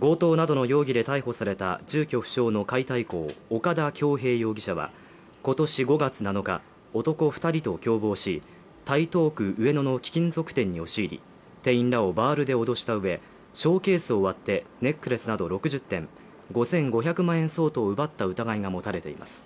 強盗などの容疑で逮捕された住居不詳の解体工、岡田響平容疑者は今年５月７日、男２人と共謀し台東区上野の貴金属店に押し入り、店員らをバールで脅したうえショーケースを割ってネックレスなど６０点５５００万円相当を奪ったうたがいが持たれています。